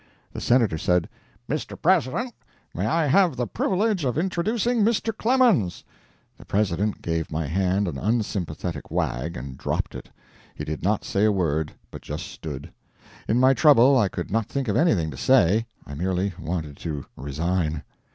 The Senator said: "Mr. President, may I have the privilege of introducing Mr. Clemens?" The President gave my hand an unsympathetic wag and dropped it. He did not say a word but just stood. In my trouble I could not think of anything to say, I merely wanted to resign.